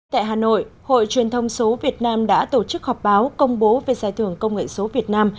tại hà nội hội truyền thông số việt nam đã tổ chức họp báo công bố về giải thưởng công nghệ số việt nam